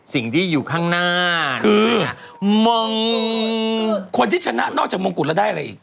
สิ่งที่อยู่ข้างหน้าคือมองคนที่ชนะนอกจากมงกุฎแล้วได้อะไรอีก